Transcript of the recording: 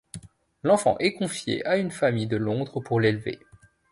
L'enfant est confié à une famille de Londres pour l'élever.